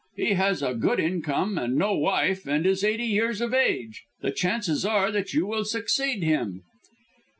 He has a good income and no wife and is eighty years of age. The chances are that you will succeed him."